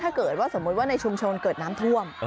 ถ้าเกิดว่าสมมุติว่าในชุมชนเกิดน้ำท่วม